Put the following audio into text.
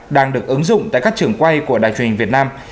đang được ứng dụng tại các trưởng quay của đài truyền hình việt nam